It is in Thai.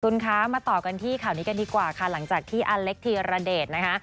คุณคะมาต่อกันที่ข่าวนี้กันดีกว่าค่ะหลังจากที่อเล็กธีรเดชนะคะ